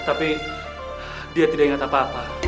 tapi dia tidak ingat apa apa